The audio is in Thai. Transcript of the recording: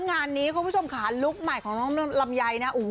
งานนี้คุณผู้ชมค่ะลูกใหม่ของลำยัยนะ